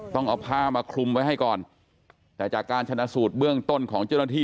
ต้องเอาผ้ามาคลุมไว้ให้ก่อนแต่จากการชนะสูตรเบื้องต้นของเจ้าหน้าที่